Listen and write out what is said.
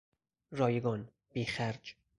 رایگان، بیخرج